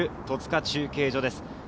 戸塚中継所です。